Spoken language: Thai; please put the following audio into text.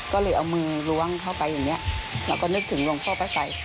ก็เลยเอามือล้วงเข้าไปอย่างนี้แล้วก็นึกถึงลงเข้าไปใส่